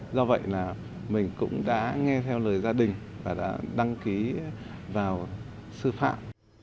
do vậy là mình cũng đã nghe theo lời gia đình và đã đăng ký vào sư phạm